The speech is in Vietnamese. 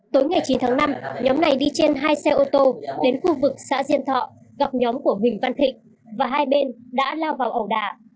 tối ngày chín tháng năm nhóm này đi trên hai xe ô tô đến khu vực xã diên thọ gặp nhóm của huỳnh văn thịnh và hai bên đã lao vào ẩu đả